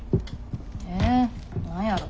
え何やろ。